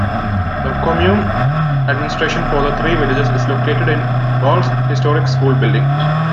The commune administration for the three villages is located in Wahl's historic school building.